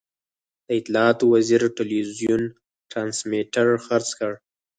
د اطلاعاتو وزیر ټلوېزیون ټرانسمیټر خرڅ کړ.